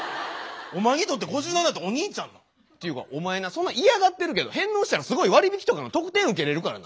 お前にとって５７ってお兄ちゃん？っていうかお前なそんな嫌がってるけど返納したらすごい割引とかの特典受けれるからな。